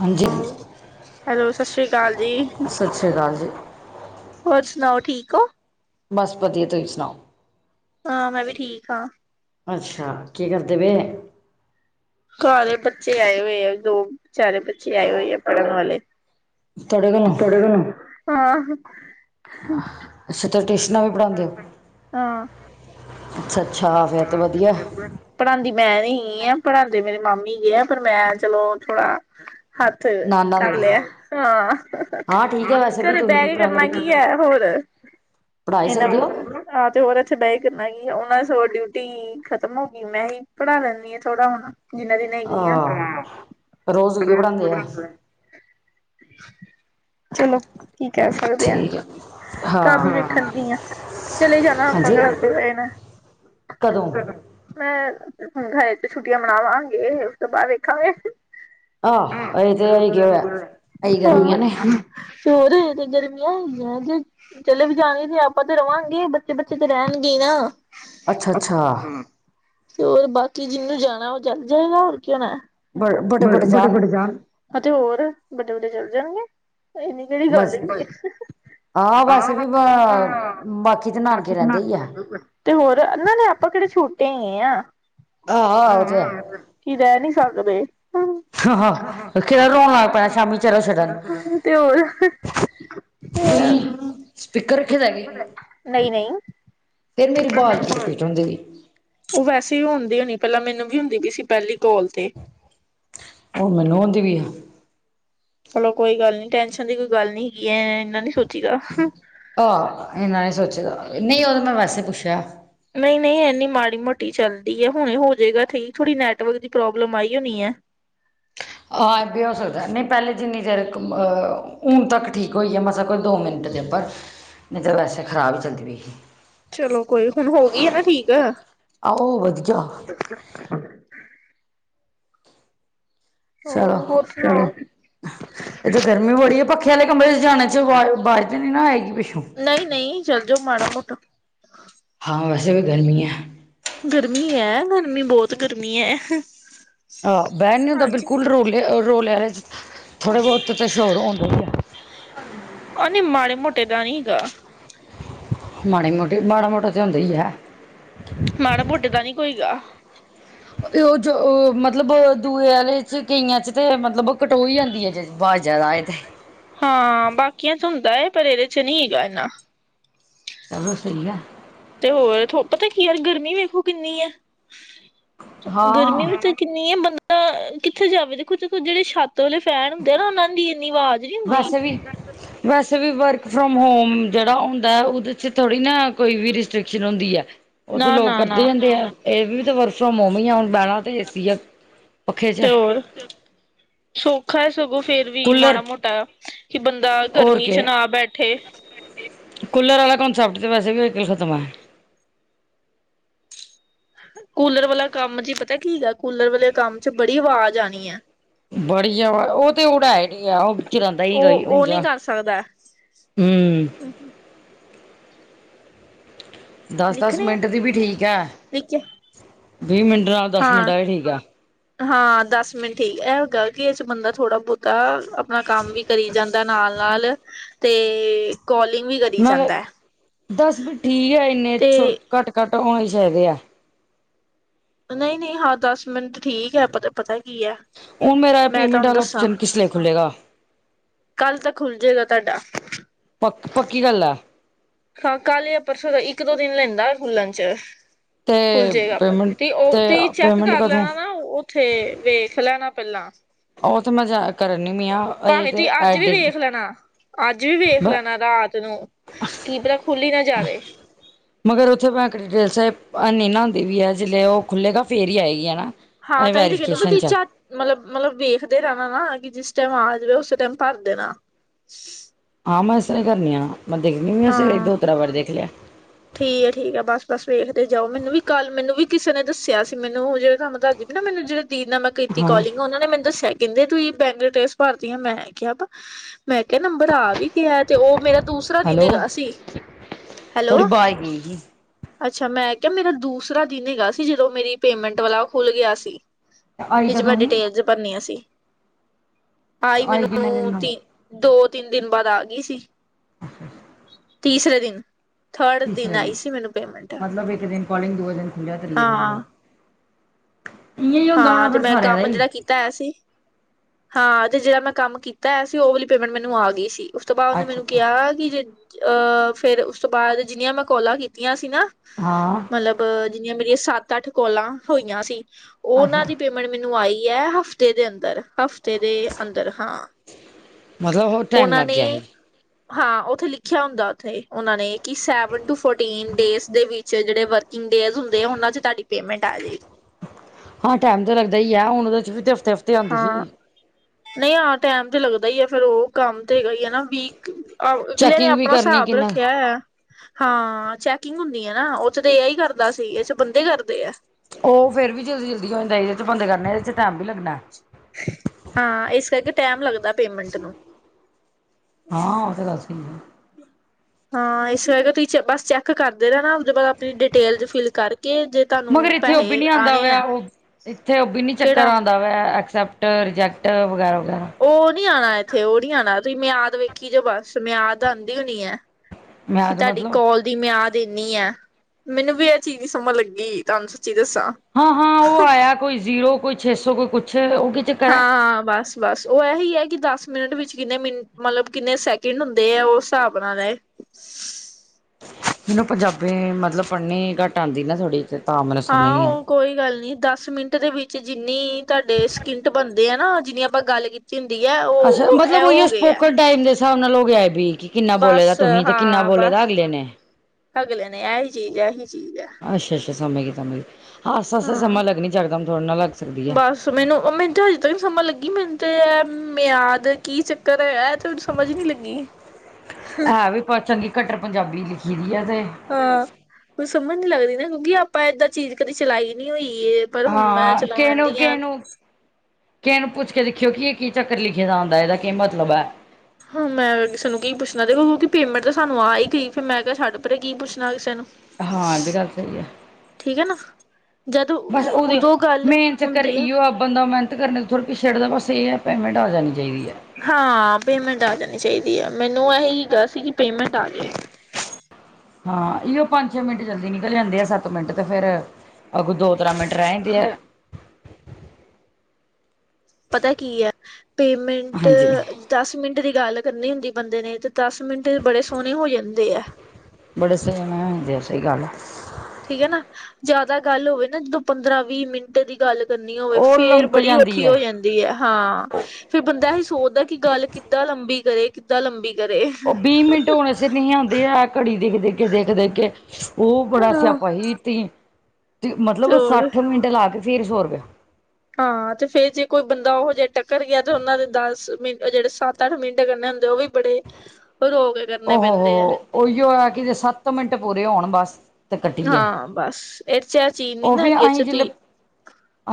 ਹਾਂਜੀ ਹੈਲੋ ਸਤਿ ਸ੍ਰੀ ਕਾਲ ਜੀ। ਸਤਿ ਸ਼੍ਰੀ ਅਕਾਲ ਜੀ ਹੋਰ ਸੁਣਾਓ ਠੀਕ ਹੋ? ਬਸ ਵਧੀਆ ਤੁਸੀਂ ਸੁਣਾਓ। ਹਾਂ ਮੈਂ ਵੀ ਠੀਕ ਹਾਂ। ਅੱਛਾ, ਕੀ ਕਰਦੇ ਪੇ? ਕਾਲੇ ਬੱਚੇ ਆਏ ਹੋਏ ਹੈ ਦੋ ਚਾਰੇ ਬੱਚੇ ਆਏ ਹੋਏ ਆ ਪੜ੍ਹਨ ਵਾਲੇ। ਤੁਹਾਡੇ ਆ ਕੋਲੋਂ ਕਿਹੜੇ ਦੇ ਆ ਹਾਂ। ਅੱਛਾ ਤੁਸੀਂ ਟਿਊਸ਼ਨਾਂ ਵੀ ਪੜ੍ਹਾਉਂਦੇ ਹੋ ਹਾਂ ਅੱਛਾ ਅੱਛਾ ਫਿਰ ਤੇ ਵਧੀਆ। ਪੜ੍ਹਾੰਦੀ ਮੈਂ ਨੀ ਹੀਗੀ ਆ ਪੜ੍ਹਾੰਦੇ ਮੇਰੇ ਮਾਮੀ ਜੀ ਐ, ਪਰ ਮੈਂ ਚਲੋ ਥੋੜ੍ਹਾ ਹੱਥ। ਨਾਲ ਕਰ ਨਾਲ ਲਿਆ ਹਾਂ ਹਾਂ ਠੀਕ ਹੈ ਵੈਸੇ ਵੀ ਘਰੇ ਤੁਸੀਂ ਵੀ ਬਹਿ ਕੇ ਪ੍ਰਾਇਮਰੀ ਕਰਨਾ ਕੀ ਹੈ ਹੋਰ। ਪੜ੍ਹਾ ਹੀ ਇਹਨਾਂ ਸਕਦੇ ਹੋ ਬ ਹਾਂ ਤੇ ਹਰ ਅੱਛੇ ਬਹਿ ਕਰਨਾ ਗ ਆ ਉਹਨਾਂ। ਹੋਰ ਡਿਊਟੀ ਖਤਮ ਹੋ ਗਈ ਮੈਂ ਹੀ ਪੜ੍ਹਾ ਲੈਂਦੀ ਹਾਂ ਥੋੜਾ ਹੁਣ ਜਿੰਨਾ ਦਿਨ ਹੈਗੀ ਆਂ। ਹਾਂ ਰੋਜ਼ ਉਹੀਓ ਪੜ੍ਹਾਉਂਦੇ ਆ ਚਲੋ ਕੀ ਕਰ ਸਕਦੇ ਹ ਠੀਕ ਹੈ ਕਾਫ਼ੀ ਹਾਂ ਵੇਖਣ ਦੀ ਆ ਚਲੇ ਜਾਣਾ ਆਪਾਂ ਹਾਂਜੀ ਘਾਥਏ ਨਾ [unintelligible] ਕਦੋਂ। ਮੈਂ ਘਰੇ ਚ ਛੁੱਟੀਆਂ ਮਨਾਵਾਂਗੇ ਉਸ ਤੋਂ ਬਾਅਦ ਵੇਖਾਂਗੇ। ਹਾਂ ਆਹ ਇਹ ਤੇ ਇਹੀ ਕਿਹਾ ਹੋਇਆ ਇਹੀ ਗਰਮੀਆਂ ਨੇ ਹੋਰ ਤੇ ਗਰਮੀਆਂ ਹੋਈਆਂ ਜੇ ਚਲੋ ਵੀ ਜਾਣਗੇ ਤੇ ਆਪਾਂ ਤੇ ਰਵਾਂਗੇ, ਬੱਚੇ-ਬੱਚੇ ਤੇ ਰੈਣਗੇ ਈਨਾ। ਅੱਛਾ ਅੱਛਾ ਤੇ ਹੋਰ ਬਾਕੀ ਜਿਹਨੂੰ ਜਾਣਾ ਉਹ ਚੱਲ ਜਾਏਗਾ ਹੋਰ ਕੀ ਹੋਣਾ। ਬ ਬੜੇ ਬੜੇ ਵਡੇ, ਵੱਡੇ ਜਾਣ ਹੋਰ ਵੱਡੇ, ਵੱਡੇ ਚੱਲ ਜਾਣਗੇ। ਇਹਨੀ ਕਿ ੜੀ ਗੱਲ। ਬਸ ਆਹ ਵੈਸੇ ਹਹ ਵੀ ਬਾਕੀ ਤੇ ਨਾਨਕੇ ਮਸੀ ਨਾ ਰਹਿੰਦੇ ਹੀ ਆ ਤੇ ਹੋਰ ਨਾਲੇ ਆਪਾਂ ਕਿਹੜੇ ਛੋਟੇ ਹੈਗੇ ਹਾਂ। ਆਹੋ ਆਹੋ ਤੇ ਹੈ ਕੀ ਰਹਿ ਨਹੀਂ ਸਕਦੇ। ਕਿਹੜਾ ਰੋਣ ਲੱਗ ਪੈਣਾ ਸ਼ਾਮੀ ਚਲੋ ਛੱਡਣ ਤੇ ਹੋਰ ਤੁਸੀਂ ਸਪੀਕਰ ਰੱਖੇ ਦਾ ਕਿ ਨਹੀਂ, ਨਹੀਂ ਫਿਰ ਮਰੀ ਬਾਲ ਚ ਰਪੀਟ ਹੁੰਦੀ ਸੀ। ਉਹ ਵੈਸੇ ਹੀ ਆਂਦੀ ਹੋਣੀ ਪਹਿਲਾਂ ਮੈਨੂੰ ਵੀ ਹੁੰਦੀ ਗਈ ਸੀ ਪਹਿਲੀ ਕੋਲ ਤੇ। ਓਹ ਨੀ ਮੈਨੂੰ ਆਦੀ ਵੀ ਆ। ਚਲੋ ਕੋਈ ਗੱਲ ਨੀ, ਟੈਨਸ਼ਨ ਦੀ ਕੋਈ ਗੱਲ ਨੀ ਹੈਗੀ, ਐ ਇਨਾਂ ਨੀ ਸੋਚੀ ਦਾ ਹੂੰ। ਆਹ ਇਹਨਾਂ ਨਹੀਂ ਸੋਚੀਂ ਦਾ ਨਹੀਂ ਉਹ ਤਾਂ ਮੈਂ ਵੈਸੇ ਪੁੱਛਿਆ। ਨਹੀਂ, ਨਹੀਂ ਇੰਨੀ ਮਾੜੀ ਮੋਟੀ ਚੱਲਦੀ ਹੁਣੇ ਹੋ ਜਾਏਗਾ ਠੀਕ ਥੋੜੀ ਨੈਟਵਰਕ ਦੀ ਪ੍ਰੋਬਲਮ ਆਈ ਹੋਣੀ ਹੈ। ਹਾਂ ਇਹ ਵੀ ਹੋ ਸਕਦਾ ਨਹੀਂ ਪਹਿਲੇ ਜਿੰਨੀ ਚਿਰ ਹੁਣ ਤੱਕ ਠੀਕ ਹੋ ਆ ਮਸਾਂ ਕੋਈ ਦੋ ਮਿੰਟ ਦੇ। ਬਸ ਨਜ਼ਰ ਵੈਸੇ ਖਰਾਬ ਹੀ ਚਲਦੀ ਪਈ ਸੀ। ਚਲੋ ਕੋਈ ਹੁਣ ਹੋ ਗਈ ਆ ਨਾ ਠੀਕ। ਆਹ ਉਹ ਵਧੀਆ ਚਲੋ। ਹੋਰ ਸੁਣਾਓ ਇੱਥੇ ਗਰਮੀ ਬੜੀ ਹੈ। ਪੱਖੇ ਵਾਲੇ ਕਮਰੇ 'ਚ ਜਾਣੇ 'ਚ ਆਵਾਜ਼ ਤੇ ਨਾ ਆਏਗੀ ਪਿੱਛੋਂ। ਨਹੀਂ ਨਹੀਂ, ਚੱਲ ਜੋ ਮਾੜਾ-ਮੋਟਾ। ਹਾਂ, ਵੈਸੇ ਵੀ ਗਰਮੀ ਐ। ਗਰਮੀ ਹੈ ਗਰਮੀ ਬਹੁਤ ਗਰਮੀ ਹੈ। ਆ ਬੈਣ ਨੂ ਤਾ ਹਾਂਜੀ ਬਿਲਕੁਲ ਰੋਲੇ ਅ ਰੌਲੇਆ ਚ ਥੋੜੇ ਬੌਤ ਤੇ ਸ਼ੋਰ ਹੋੰਦਾ ਈ ਐ। ਆਹ ਨ ਮਾੜੇ ਮੋਟੇ ਦਾ ਨੀ ਹੇਗਾ। ਮਾੜੀ ਮੋਟੀ ਮਾੜਾ ਮੋਟਾ ਤਾਂ ਹੁੰਦਾ ਹੀ ਹੈ। ਮਾੜਾ ਮੋਟੇ ਦਾ ਨੀ ਕੋਈਗਾ। ਉਹ ਮਤਲਬ ਦੂਏ ਆਲੇ ਚ ਕਈਆਂ ਚ ਤੇ ਮਤਲਬ ਕਟੋਈ ਜਾਂਦੀ ਹੈ ਹਜੇ। ਹਾਂ ਬਾਕੀਆਂ ਚ ਹੁੰਦਾ ਹੈ ਪਰ ਇਹਦੇ ਚ ਨਹੀਂ ਹੈਗਾ ਇੰਨਾ। ਚਲੋ ਸਹੀ ਆ। ਤੇ ਹੋਰ ਪਤਾ ਕੀ ਯਾਰ ਗਰਮੀ ਵੇਖੋ ਕਿੰਨੀ ਹੈ, ਗਰਮੀ ਹਾਂ ਵਿੱਚ ਕਿੰਨੀ ਹੈ ਬੰਦਾ ਕਿੱਥੇ ਜਾਵੇ ਦੇਖੋ ਦੇਖੋ ਜਿਹੜੇ ਛੱਤ ਦੋਲੇ ਫੈਨ ਹੁੰਦੇ ਆ ਨਾ ਓਨਾ ਦੀ ਇੰਨੀ ਅਵਾਜ਼ ਨੀ ਹੁੰਦੀ। ਵੈਸੇ ਵੀ ਵੈਸੇ ਵੀ ਵਰਕ ਫਰੋਮ ਹੋਮ ਜਿਹੜਾ ਹੁੰਦਾ ਉਹਦੇ ਚ ਥੋੜ੍ਹੀ ਨਾ ਕੋਈ ਵੀ ਰਿਸਟ੍ਰਿਕਸ਼ਨ ਹੁੰਦੀ ਹੈ। ਉਹ ਨਾ ਲੋਕ ਨਾ ਕਰਦੇ ਨਾ ਰਹਿੰਦੇ ਆ ਇਹ ਵੀ ਤਾਂ ਵਰਕ ਫਰੋਮ ਹੋਮ ਹੀ ਆ ਹੁਣ ਬਹਿਣਾ ਤੇ ਏਸੀ ਆ ਪੱਖੇ ਜਾ ਤੇ ਹੋਰ ਸੌਖਾ ਏ ਸਗੋਂ ਫੇਰ ਵੀ ਕੂਲਰ ਮਾੜਾ-ਮੋਟਾ ਕਿ ਬੰਦਾ ਹੋਰ ਗਰਮੀ ਚ ਕੀ ਨਾ ਬੈਠੇ ਕੂਲਰ ਵਾਲਾ ਕਸੈਪਟ ਤੇ ਵੈਸੇ ਵੀ ਅਜ ਕਲ ਖ਼ਤਮ ਹੈ। ਕੂਲਰ ਵਾਲਾ ਕੰਮ ਜੀ ਪਤਾ ਕੀ ਹੈ ਕੂਲਰ ਵਾਲੇ ਕੰਮ 'ਚ ਬੜੀ ਆਵਾਜ਼ ਆਉਣੀ ਹੈ। ਬੜੀਆ ਵ ਉਹ ਤੇ ਓੜਾ ਹੇ ਨੀ ਆ ਉਹ ਚਲਾਉਦਾ ਹੀ ਕੋਈ ਉਹ ਉਹ ਨਹੀਂ ਕਰ ਸਕਦਾ। ਹੂੰ। ਦਸ ਦਸ ਲਿਖਣੇ ਆ ਮਿੰਟ ਦੀ ਵੀ ਠੀਕ ਹੈ ਲਿਖਿਆ ਵੀਹ ਮਿੰਟ ਨਾਲ ਦਸ ਹਾਂ ਮਿੰਟ ਵੀ ਠੀਕ ਆ ਹਾਂ ਦਸ ਮਿੰਟ ਠੀਕ ਇਹ ਹੋਗਾ ਕਿ ਇਹ 'ਚ ਬੰਦਾ ਥੋੜਾ ਬਹੁਤਾ ਆਪਣਾ ਕੰਮ ਵੀ। ਕਰੀ ਜਾਂਦਾ ਨਾਲ ਨਾਲ ਤੇ ਕੋਲਿੰਗ ਵੀ ਕਰ ਨਾਲੇ ਦੱਸ ਵੀ ਠੀਕ ਆ, ਇੰਨੇ ਛੋ ਤੇ ਘੱਟ, ਘੱਟ ਹੋਣੇ ਚਾਹੀਦੇ ਆ। ਨਹੀਂ ਨਹੀਂ, ਹਾਂ ਦਸ ਮੈਨ ਤੇ ਠੀਕ ਹੈ, ਪਤਾ ਪਤਾ ਕੀ ਹੈ। ਉਹ ਮੇਰਾ ਮੈਂ ਪੇਮੈਂਟ ਤੁਹਾਨੂੰ ਵਾਲਾ ਦੱਸਾਂ ਓਪਸ਼ਨ ਕਿਸ ਲੇ ਖੁੱਲ੍ਹੇਗਾ। ਕੱਲ੍ਹ ਤੱਕ ਖੁੱਲਜੇ ਗਾ ਤੁਹਾਡਾ। ਪ ਪੱਕੀ ਗੱਲ ਆ ਹਾਂ ਕੱਲ ਜਾਂ ਪਰਸੋਂ ਦਾ ਇੱਕ ਦੋ ਦਿਨ ਲੈਂਦਾ ਖੁੱਲਣ 'ਚ ਖੁੱਲ ਤੇ ਜੇਗਾ ਪੇਮੈਂਟ ਤੇ ਉਹ ਤੁਸੀ ਚੈਕ ਪੇਮੈਂਟ ਕਰ ਕਦੋਂ ਲੈਣਾ ਨਾ ਓ ਉੱਥੇ ਵੇਖ ਲੈਣਾ ਪਹਿਲਾਂ ਉਹ ਤਾਂ ਮੈਂ ਜਾ ਕਰਨੀ ਵੀ ਆ ਇਹ ਭਾਵੇਂ ਤੇ ਤੁਸੀਂ ਅੱਜ ਵੀ ਐਡਿਡ ਵੇਖ ਲੈਣਾ ਅੱਜ ਵੀ ਵੇਖ ਲੈਣਾ ਰਾਤ ਨੂੰ ਕਿ ਪਤਾ ਖੁੱਲ ਹੀ ਨਾ ਜਾਵੇ ਮਗਰ ਉੱਥੇ ਡਿਟੇਲਸ ਨਾ ਹੁੰਦੀ ਵੀ ਹੈ ਜ ਉਹ ਖੁੱਲੇਗਾ ਫੇਰ ਹੀ ਆਏਗੀ। ਹਾਂ ਤਾਂ ਇਹ ਤੇ ਕਹਿੰਦੇ ਵੈਰੀਫਿਕੇਸ਼ਨ 'ਚ ਭਤੀਜਾ ਮਤਲਬ, ਮਤਲਬ ਵੇਖਦੇ ਰਹਿਣਾ ਨਾ, ਕਿ ਜਿਸ ਟਾਈਮ ਆ ਜਾਵੇ ਉਸ ਟਾਈਮ ਭਰ ਦੇਣਾ। ਹਾਂ ਮੈਂ ਇਸ ਤਰ੍ਹਾਂ ਹੀ ਕਰਨੀ ਹਾ ਮੈਂ ਦੇਖਦੀ ਵੀ ਸਵੇਰੇ ਦੋ ਹਾਂ। ਤਰ੍ਹਾਂ ਵਾਰ ਦੇਖ ਲਿਆ। ਠੀਕ ਹੈ ਠੀਕ ਹੈ, ਬਸ-ਬਸ ਵੇਖਦੇ ਜਾਓ ਮੈਨੂੰ ਵੀ ਕੱਲ ਮੈਨੂੰ ਵੀ ਕਿਸੇ ਨੇ ਦੱਸਿਆ ਸੀ ਮੈਨੂੰ ਜੇਹੜੇ ਥਾ ਮੈ ਦੱਸ ਏਨਾ ਮੈਨੂੰ ਜੇੜਾ ਦੀਦ ਨਾ ਮੈਂ ਕੀਤੀ ਹਾਂ ਕਾਲਿੰਗ ਓਨਾਂ ਨੇ ਮੈਨੂੰ ਦਸਿਆ ਹੀ। ਕਹਿੰਦੇ ਤੁੂੰਂ ਬੈਂਗਲਾਡੇਸ਼ ਭਰਦੀ ਆ ਮੈਂ ਕਿਹਾ ਮੈਂ ਕਿਹਾ ਨੰਬਰ ਆ ਵੀ ਹੈ ਤੇ ਉਹ ਮੇਰਾ ਦੂਸਰਾ ਦਿਨ ਹੈਲੋ ਹੈਗਾ ਸੀ ਹੈਲੋ ਤੁਹਾਡੀ ਬਾਈ ਗਈ ਸੀ ਅੱਛਾ, ਮੈਂ ਕਿਆ ਮੇਰਾ ਦੂਸਰਾ ਦਿਨ ਹੈਗਾ ਸੀ ਜਦੋਂ ਮੇਰੀ ਪੇਮੈਂਟ ਵਾਲਾ ਖੁੱਲ ਗਿਆ ਸੀ। ਆਈ ਜਿਦੇ ਚ ਮੈਂ ਕਦੋਂ ਸੀ ਡਿਟੇਲਜ਼ ਭਰਨੀਆਂ ਸੀ ਆਈ ਕਿੰਨੇ ਦਿਨ ਮੈਨੂੰ ਤ ਨੂੰ ਦੋ-ਤਿੰਨ ਦਿਨ ਬਾਦ ਆ ਗਈ ਸੀ। [inaudible] ਤੀਸਰੇ ਦਿਨ। ਥਰਡ ਦਿਨ ਆਈ ਸੀ ਮੈਨੂੰ ਪੇਮੈਂਟ ਮਤਲਬ ਇੱਕ ਦਿਨ ਕਾਲਿੰਗ ਦੂਏ ਦਿਨ ਖੁੱਲਿਆ ਤੀਏ ਦਿਨ ਹਾਂ ਇ ਹੀ ਹੁੰਦਾ ਹਾਂ, ਹੋਣਾ ਤੇ ਫਿਰ ਮੈਂ ਸਾਰਿਆਂ ਦਾ ਕੰਮ ਹੀ ਜੇੜਾ ਕੀਤ ਕੀਤਾ ਸੀ ਹਾਂ ਤੇ ਜਿਹੜਾ ਮੈਂ ਕੰਮ ਕੀਤਾ ਹੈ ਸੀ ਉਹ ਵਾਲੀ ਪੇਮੈਂਟ ਮੈਨੂੰ ਆ ਗਈ ਸੀ। ਉਸ ਤੋਂ ਬਾਅਦ ਉਹਨੇ ਅੱਛਾ ਮੈਨੂੰ ਅੱਛਾ ਕਿਹਾ ਕਿ ਜੇ ਅਹ ਫੇਰ ਉਸ ਤੋਂ ਬਾਅਦ ਜਿੰਨੀਆਂ ਮੈਂ ਕੋਲਾਂ ਕੀਤੀਆਂ ਸੀ ਨਾ। ਹਾਂ। ਮਤਲਬ ਜਿੰਨੀਆਂ ਮੇਰੀਆਂ ਸੱਤ ਅੱਠ ਕੋਲਾਂ ਹੋਈਆਂ ਸੀ। ਉਹਨਾਂ ਅੱਛਾ ਦੀ ਮ ਮੈਨੂੰ ਆਈ ਹੈ ਹਫ਼ਤੇ ਦੇ ਅੰਦਰ, ਹਫ਼ਤੇ ਦੇ ਅੰਦਰ ਹਾਂ। ਮਤਲਬ ਹੋਰ ਟਾਈਮ ਉਹਨਾਂ ਲੱਗ ਨੇ ਗਿਆ ਸੀ ਹਾਂ ਉੱਥੇ ਲਿਖਿਆ ਹੁੰਦਾ ਉੱਥੇ ਉਹਨਾਂ ਨੇ ਕਿ ਸੈਵਨ ਟੂ ਫੋਟਨ ਡੇਅਜ ਦੇ ਵਿੱਚ ਜਿਹੜੇ ਵਰਕਿੰਗ ਡੇਅਜ ਹੁੰਦੇ ਉਹਨਾਂ 'ਚ ਤੁਹਾਡੀ ਪੇਮੈਂਟ ਆ ਜੇ ਗਈ। ਹਾਂ ਟਾਈਮ ਤਾਂ ਲੱਗਦਾ ਹੀ ਹੈ ਹੁਣ ਉਹਦੇ ਵੀ ਹਫਤੇ ਹਾਂ ਨਹੀਂ ਹਾਂ ਟੈਮ ਤੇ ਲੱਗਦਾ ਹੀ ਆ ਫੇਰ ਉਹ ਕੰਮ ਤੇ ਹੈਗਾ ਹੀ ਹੈ ਨਾ ਵੀ ਅੱਗਲਿਆਂ ਨੇ ਚੈਕਿੰਗ ਵੀ ਆਪਣਾ ਕਰਨੀ ਹਿਸਾਬ ਕਿੰਨਾ ਰੱਖਿਆ ਆ ਹਾਂ ਚੈਕਿੰਗ ਹੁੰਦੀ ਹੈ ਨਾ ਉਹ ਚ ਤਾਂ ਇਹ ਹੀ ਕਰਦਾ ਸੀ ਇਹ ਚ ਬੰਦੇ ਕਰਦੇ ਆ। ਉਹ ਫੇਰ ਵੀ ਜਲਦੀ ਜਲਦੀ ਹੋ ਜਾਂਦਾ ਇਹਦੇ ਚ ਬੰਦੇ ਕਰੇ ਇਹਦੇ ਚ ਟਾਈਮ ਵੀ ਲੱਗਣਾ। ਹਾਂ ਇਸ ਕਰਕੇ ਟਾਈਮ ਲੱਗਦਾ ਪੇਮੈਂਟ ਨੂੰ। ਹਾਂ ਉਹ ਤੇ ਗੱਲ ਸਹੀ ਹੈ ਹਾਂ ਇਸ ਵਰਕੇ ਤੁਸੀਂ ਬਸ ਚੈ। ਕਰਦੇ ਰਹਿਣਾ ਉਸਦੇ ਬਾਅਦ ਆਪਣੀ ਡਿਟੇਲ ਫਿਲ ਕਰਕੇ ਜੇ ਮਗਰ ਤੁਹਾਨੂੰ ਇੱਥੇ ਉਹ ਵੀ ਪੈਸੇ ਨਹੀਂ ਆਉਂਦਾ ਆਉਣੇ ਹੈ। ਹੋਇਆ ਇੱਥੇ ਉਹ ਵੀ ਨੀ ਚੱਕਰ ਆਉਂਦਾ ਵਾ ਐਕਸੈਪਟ ਰਿਜੈਕਟ ਵਗੈਰਾ ਵਗੈਰਾ। ਉਹ ਨੀ ਆਉਣਾ ਇੱਥੇ ਉਹ ਨੀ ਆਉਣਾ ਤੁਸੀਂ ਮਿਆਦ ਵੇਖੀ ਜਾੇ ਬਸ ਮਿਆਦ ਆਉਂਦੀ ਹੋਣੀ ਹੈ। ਕਿ ਮਿਆਦ ਤੁਹਾਡੀ ਮਤਲਬ ਕੋਲ਼। ਦੀ ਮੈਂ ਆਹ ਦਿੰਨੀ ਆ ਮੈਨੂੰ ਵੀ ਇਹ ਚੀਜ਼ ਦੀ ਸਮਝ ਲੱਗੀ ਤੁਹਾਨੂੰ ਸੱਚੀ ਦੱਸਾਂ। ਹਾਂ ਹਾਂ ਉਹ ਆਇਆ ਕੋਈ ਜ਼ੀਰੋ ਕੋਈ ਛੇ ਸੌ ਕੋਈ ਕੁਛ ਉਹ। ਚੱਕਰ ਹਾਂ ਹੈ ਹਾਂ ਬਸ। ਬਸ ਉਹ ਇਹੀ ਹੈ ਕਿ ਦਸ ਮਿੰਟ ਵਿੱਚ ਕਿੰਨੇ ਮਿੰਟ ਮਤਲਬ ਕਿੰਨੇ ਸੈਕਿੰਡ ਹੁੰਦੇ ਆ ਉਸ ਹਿਸਾਬ ਨਾਲ। ਸ। ਮੈਨੂੰ ਪੰਜਾਬੀ ਮਤਲਬ ਪੜ੍ਹਨੀ ਘੱਟ ਆਉਂਦੀ ਨਾ ਥੋੜ੍ਹੀ। ਤਾਂ ਮੈਨੂੰ ਸਮਝ ਹਾਂ ਨਹੀਂ ਆ ਉਹ। ਕੋਈ ਗੱਲ ਨਹੀਂ ਦਸ ਮਿੰਟ ਦੇ ਵਿੱਚ ਜਿੰਨੀ ਤੁਹਾਡੇ ਸਕਿੰਟ ਬਣਦੇ ਆ ਨਾ ਜਿੰਨੀ ਆਪਾਂ ਗੱਲ ਕੀਤੀ। ਜਿੰਦੀ ਹੈ ਅੱਛਾ ਉਹ ਉਹ ਮਤਲਬ ਐ ਹੋ ਉਹੀ ਗਏ ਹੈ। ਸਪੋਕਨ ਟਾਈਮ ਦੇ ਹਿਸਾਬ ਨਾਲ ਗਿਆਏ ਬ ਕਿੰਨਾ ਬੋਲੇ ਦਾ ਬਸ ਤੁਸੀਂ ਤੇ ਕਿੰਨਾ ਹਾਂ ਬੋਲੇ ਦਾ ਬਸ ਅਗਲੇ ਨੇ। ਅਗਲੇ ਨੇ ਇਹੀ ਚੀਜ਼ ਇਹੀ ਚੀਜ਼ ਹੈ। ਅੱਛਾ ਅੱਛਾ ਸਮੇਂ ਕਿ ਸਮਂ ਕਿ ਹਾ ਸਮਾਂ ਲੱਗ ਨਹੀਂ ਜ ਸਕਗਦਾ ਹੁ ਥੋੜ੍ਹੇ ਨਾ ਨਾਲ ਲੱਗ ਸਕਦੀ ਹੈ। ਸੋ ਮੈਨੂੰ ਉਹ ਮੈਨੂੰ ਤਾਂ ਅਜੇ ਤੱਕ ਸਮਾਂ ਲੱਗੀ ਮੈਨ ਤੇ ਹੈ ਮ ਯਦ ਕੀ ਚੱਕਰ ਹੈ। ਤੇੈਨੂੰ ਸਮਝ ਨੀ ਲੱਗੀ। ਇਹ ਵੀ ਚੰਗੀ ਕਟਰ ਪੰਜਾਬੀ ਲਿਖੀ ਦੀ ਹੈ ਤੇ। ਹਾਂ ਸਮਝ ਨੀ ਲੱਗਦੀ ਨਾ ਕਿਉਂਕਿ ਆਪਾਂ ਏਦਾਂ ਚੀਜ਼ ਕਦੇ ਚਲਾਈ ਨੀ ਹੋਈ। ਪਰ ਹੁਣ ਮੈਂ ਹਾਂ ਕਿਹਨੂੰ ਚਲਾਉਂਦੀ ਆ। ਹਾਂ ਕਿਹਨੂੰ। ਕਿਸ ਨੂੰ ਪੁੱਛ ਕੇ ਦੇਿਓ ਇਹ ਕੀ ਚੱਕਰ ਲਿਖੇ ਦਾ ਆਉਦਾ ਇਹਦਾ ਕੀ ਮਤਲਬ ਹੈ। ਹਾਂ ਮੈਂ ਕਿਸੇ ਨੂੰ ਕੀ ਪੁੱਛਣਾ ਦੇਖੋ ਕਿਉਂਕਿ ਪੇਮੈਂਟ ਤਾਂ ਸਾਨੂੰ ਆ ਹੀਈ ਗਈ ਫਿਰ ਮੈਂ ਕਿਹਾ ਛੱਡ ਪਰੇ ਕੀ ਪੁੱਛਣਾ ਕਿਸੇ ਨੂੰ। ਹਾਂ ਇਹ ਵੀ ਗੱਲ ਸਹੀ ਹੈ। ਠੀਕ ਹੈ ਨਾ ਜਦ ਉਦੋਂ ਗੱਲ ਹੁੰਦੀ ਹੈ। ਬੰ ਦਾ ਮਿਹਨਤ ਕਰਨ ' ਥੜ੍ਹ ਪਿੱਛੇ ਹਟਦਾ ਬਸ ਇਹ ਹੈ ਪੇਮੈਂਟ ਆ ਜਾਣੀ ਚਾਹੀਦੀ। ਹੈ ਹਾਂ ਪੇਮੈਂਟ ਆ ਜਾਣੀ ਚਾਹੀਦੀ ਹੈ ਮੈਨੂੰ ਇਹੀ ਗ ਸੀ ਕਿ ਪੇਮੈਂਟ ਆ ਜਾਵੇ। ਹਾਂ ਇਹ ਉਹ ਪੰਜ ਛੇ ਮਿੰਟ ਜਲਦੀ ਨਿਕਲ ਜਾਂਦੇ ਆ ਸੱਤ ਮਿੰਟ ਤੇ ਫੇਰ। ਅਗੋਂ ਦੋ ਤਰਾਂ ਮਿੰਟ ਰਹਿਿੰਦੇ ਆ। ਪਤਾ ਕੀ ਹੈ ਪੇਮੈਂਟ। ਹਾਂਜੀ ਦਸ ਮਿੰਟ ਦੀ ਗੱਲ ਕਰਨੀ ਹੁੰਦੀ ਬੰਦੇ ਨੇ ਤੇ ਦਸ ਮਿੰਟ ਬੜੇ ਸੋਹਣੇ ਹੋ ਜਾਂਦੇ ਆ। ਬੜੇ ਸਹੀ ਮੈਂਦੇ ਆ ਸਹੀ ਗੱਲ। ਠੀਕ ਹੈ ਨਾ ਜਿਆਦਾ ਗੱਲ ਹੋਵੇ ਨਾ ਜਦੋਂ ਪੰਦਰਾਂ ਵੀਹ ਮਿੰਟ ਦੀ। ਗੱਲ ਕਰਨੀ ਹੋਵੇ ਉਹ ਫੇਰ ਲਮਕ ਬੜੀ ਜਾਂਦੀ ਔਖੀ ਹੈ ਹੋ ਜਾਂਦੀ ਹੈ ਹਾਂ ਫੇਰ ਬੰਦਾ ਐ ਹੀ ਸੋਚ। ਪਦਾ ਕਿ ਗੱਲ ਕਿੱਦਾਂ ਲੰਬੀ ਕਰੇ ਕਿੱਦਾਂ ਲੰਬੀ ਕਰੇ। ਦੇ ਨਹੀਂ ਆਉਂਦੇ ਹੈ ਘੜੀ ਦੇਖ ਦੇਖ ਕੇ ਦੇਖ ਦੇਖ ਕੇ ਉਹ ਬੜਾ ਹਾਂ ਸਿਆਪਾ ਸੀ। ਤੇ ਮਤਲਬ ਸੱਠ ਮਿੰਟ ਲਾ ਕੇ ਫੇਰ ਸੌ ਰੁਪਆ ਹਾਂ ਤੇ ਫੇਰ ਜੇ ਕੋਈ ਬੰਦਾ ਉਹੋ ਜਿਹਾ ਟੱਕਰ ਗਿਆ ਤੇ ਉਹਨਾਂ ਦੇ ਦਸ ਮਿੰ ਜਿਹੜੇ ਸੱਤ ਤਰਣ ਮੀਿੰਡੇ ਕੱਢਣ ਦਿਉ ਉਹ ਵੀ ਬੜੇ ਰੋਗ ਹੈ। ਹ ਹੋ ਉਹੀਓ ਹੋਇਆ ਕਿਤੇ ਸੱਤ ਮਿੰਟ ਪੂਰੇ ਹੋਣ ਬਸ। ਤੇ ਕੱਟੀਏ ਹਾਂ ਬੱਸ ਇਹ ਚ ਚੀਨੀ ਉਹ ਨਾ ਅ ਵੀ ਗਗੇ ਚ ਅਸੀਂ ਤੁਂ ਜਿਲੇ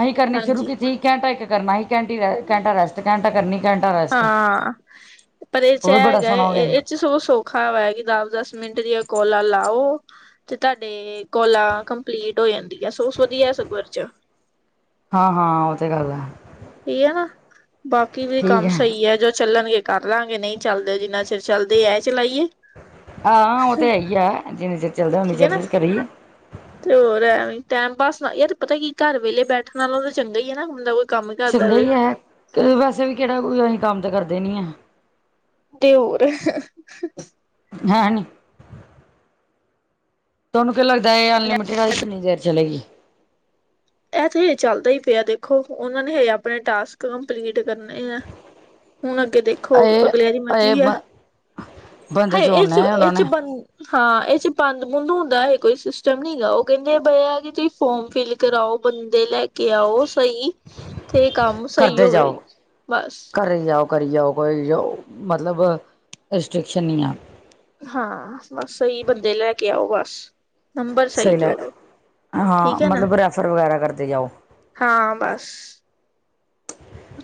ਅਸੀਂ ਕਰਨੇ ਸ਼ੁਰੂ ਕੀਤੇ ਸੀ ਘੰਟਾ ਇੱਕ ਕਰਨਾ ਅਸੀ ਘੰ ਘੰਟਾ ਰੈਸਟ ਘੰਟਾ ਕਰਨੀ ਘੰਟਾ ਰ ਹਾਂ ਪਰ ਇਹ ਚ ਬੜਾ ਹੈਗਾ ਸੋਹਣਾ ਹੋ ਗਿਆ ਸੀ ਇਹ ਚ ਸੌ ਸੌ ਔਖਾ ਹੋਇਆ ਕਿ ਦਸ ਦਸ ਮਿੰਟ ਦੀਆਂ ਕੋਲਾਂ ਲਾਓ। ਤੇ ਤੁਹਾਡੇ ਕੋਲਾਂ ਕੰਪਲੀਟ ਹੋ ਜਾਂਦੀ ਆ ਸੋਸ ਵਧੀਆ ਸਗਰ ਚ ਹਾਂ-ਹਾਂ ਉਹ ਤੇ ਗੱਲ ਹੈ। ਏਹੀ ਨਾ ਬਾਕੀ ਵੀ ਕੰਮ ਸਹੀ ਹੈ ਜੋ ਚੱਲਣਗੇ। ਕਰ ਲਾਂਗੇ ਨਹੀਂ ਚੱਲਦੇ ਜਿੰਨਾ ਚਿਰ ਚੱਲਦੇ ਐ ਚਲਾਈ ਏ। ਹਾਂ ਉਹ ਤੇ ਹੈ ਹੀ ਆ ਜਿੰਨੀ ਚਿਰ ਚੱਲਦਾ ਉਨੀ ਠੀਕ ਹੈ ਚਿਰ ਨਾ 'ਚ ਕਰੀਏ। ਤੇ ਹੋਰ ਐ ਟੈਮ ਪਾਸ ਨਾ ਯਾਰ ਤੇ ਪਤਾ ਕੀ ਘਰ ਵੇਲੇ ਬੈਠਣ ਵਾਲਾ ਤਾਂ ਚੰਗਾ ਹੈ ਨਾ ਬੰਦਾ ਕੋ ਚੰਗਾ ਹੀ ਹੈ ਵੈਸੇ ਵੀ ਕਿਹੜਾ ਕੋਈ ਅਸੀਂ ਕੰਮ ਤਾਂ ਕਰਦੇ ਨੀ ਆਂ। ਤੇ ਔਰ [inaudible] ਹੈਂ ਨਹੀਂ ਤੁਹਾਨੂੰ ਕੀ ਲੱਗਦਾ ਇਹ ਅਨਲਿਮਟਿਡ ਆ ਕਿੰਨੀ ਦੇਰ ਚਲੇਗੀ। ਇਹ ਤੇ ਇਹ ਚੱਲਦਾ ਹੀ ਪਿਆ ਦੇਖੋ ਉਹਨਾਂ ਨੇ ਆਪਣੇ ਟਾਸਕ ਕੰਪਲੀਟ ਕਰਨੇ ਆ। ਹੁਣ ਅੱਗੇ ਦੇਖੋ ਇਹ ਅਗਲਿਆਂ ਦੀ ਇਹ ਮਰਜ਼ੀ ਹੈ ਹ ਬੰਦੇ ਇਹ 'ਚ ਜੋੜਨਾ ਹੈ ਇਹ ਉਹਨਾਂ 'ਚ ਨੇ ਬ ਹਾਂ ਇਹ 'ਚ ਬੰਦ ਬੂੰਦ ਹੁੰਦਾ ਹੈ ਕੋਈ ਸਿਸਟਮ ਨਹੀਂ ਹੈਗਾ ਉਹ ਕਹਿੰਦੇ ਬਈ ਜੀ ਇਹਦੇ 'ਚ ਫੋਰਮ ਫਿਲ ਕਰਾਓ। ਬੰਦੇ ਲੈ ਕੇ ਆਓ ਸਹੀ ਤੇ ਕੰਮ ਸਹੀ ਹੋਵੇ ਬਸ ਘਰੇ ਜਾਓ। ਕਰੀ ਜਾਉ-ਕਰੀ ਜਾਉ ਮਤਲਬ ਰਿਸਟ੍ਰਿਕਸ਼ਨ ਨਹੀਂ ਆ। ਹਾਂ ਬਸ ਸਹੀ ਬੰਦੇ ਲੈ ਕੇ ਆਓ ਬਸ ਨੰਬਰ ਸਹੀ ਜੋੜੋ। ਠੀਕ ਹਾਂ ਹੈ ਨਾ ਮਤਲਬ ਰੈਫਰ ਵਗੈਰਾ ਕਰਦੇ ਜਾਓ ਹਾਂ ਬਸ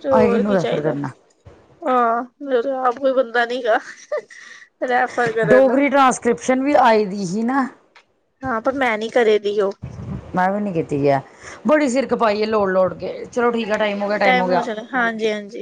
ਤੇ ਅਸੀਂ ਹੋਰ ਕਿਹਨੂੰ ਕੀ ਰੈਫਰ ਚਾਹੀਦਾ। ਕਰਨਾ ਹਾਂ ਮੇਰਾ ਆਪ ਕੋਈ ਬੰਦਾ ਨੀ ਹੈਗਾ [inaudible] ਰੇ ਡੋਗਰੀ ਟਰਾਂਸਕ੍ਰਿਪਸ਼ਨ ਵੀ ਆਈ ਦੀ ਸੀ ਨਾ। ਹਾਂ ਪਰ ਮੈਂ ਨੀ ਕਰੇ ਦੀ ਉਹ ਮੈਂ ਵੀ ਨੀ ਕੀਤੀ ਹੈ ਬੜੀ ਸਿਰ ਖਪਾਈ ਏ ਲੋੜ-ਲੋੜ ਕੇ ਚਲੋ ਠੀਕ ਆ ਟਾਈਮ ਹੋ ਗਿਆ-ਟਾਈਮ ਹੋ ਗਿਆ। ਹਾਂਜੀ-ਹਾਂਜੀ